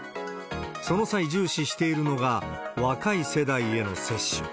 その際重視しているのが若い世代への接種。